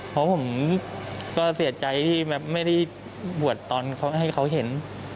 เพราะผมก็เสียใจที่แบบไม่ได้บวชตอนเขาให้เขาเห็น